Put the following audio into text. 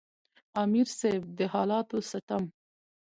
امیر صېب د حالاتو ستم،